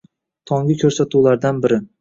Tonggi ko‘rsatuvlardan biri.